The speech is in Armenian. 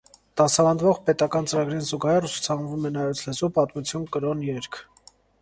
Դասավանդվող պետական ծրագրին զուգահեռ ուսուցանվում են հայոց լեզու, պատմություն, կրոն, երգ։